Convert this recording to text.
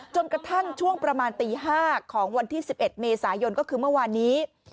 จนกระทั่งช่วงประมาณตี๕ของวันที่๑๑เมษายนก็คือเมื่อวานนี้